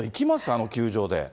あの球場で。